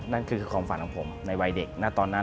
นั่นคือความฝันของผมในวัยเด็กณตอนนั้น